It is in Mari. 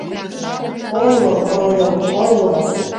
Ойло, Королёв, ойло!